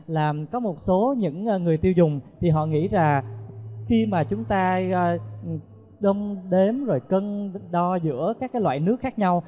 là có một số những người tiêu dùng thì họ nghĩ là khi mà chúng ta đom đếm rồi cân đo giữa các loại nước khác nhau